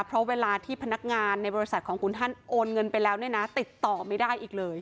เพราะเวลาที่พนักงานในบริษัทของคุณท่านโอนเงินไปแล้วเนี่ยนะติดต่อไม่ได้อีกเลย